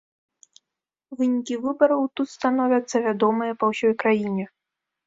Вынікі выбараў тут становяцца вядомыя па ўсёй краіне.